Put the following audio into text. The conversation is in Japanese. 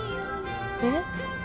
えっ？